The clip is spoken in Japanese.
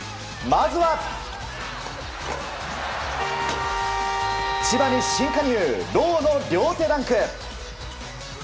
まずは、千葉に新加入ローの両手ダンク。